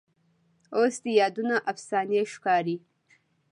اوس دې یادونه افسانې ښکاري